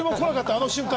あの瞬間。